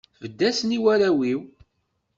Tbedd-asen i warraw-iw.